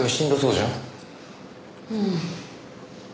うん？